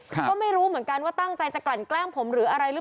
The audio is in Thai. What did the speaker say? ก็ไม่รู้เหมือนกันว่าตั้งใจจะกรรแกล้งผมหรืออะไรเลย